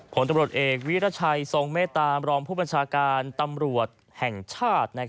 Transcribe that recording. ผลตำรวจเอกวิรัชัยทรงเมตตามรองผู้บัญชาการตำรวจแห่งชาติ